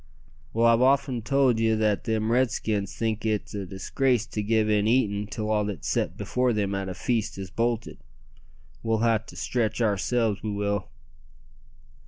"Well, I've often told ye that them Redskins think it a disgrace to give in eatin' till all that's set before them at a feast is bolted. We'll ha' to stretch oursel's, we will."